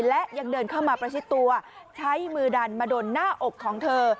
และยังเดินเข้ามาประชิดตัวใช้มือดันมาโดนหน้าอกของเธอ